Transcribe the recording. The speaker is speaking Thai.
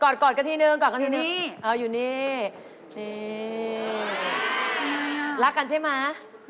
อยู่นี่นี่รักกันใช่ไหม